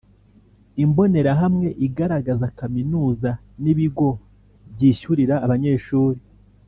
imbonerahamwe igaragaza kaminuza n ibigo byishyurira abanyeshuri